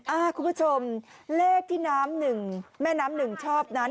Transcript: คุณผู้ชมเลขที่น้ำหนึ่งแม่น้ำหนึ่งชอบนั้น